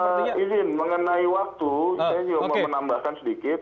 pak izin mengenai waktu saya ingin menambahkan sedikit